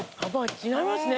違いますね。